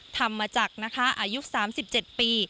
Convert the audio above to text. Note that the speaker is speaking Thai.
ทำมาจากนะคะอายุ๓๗ปี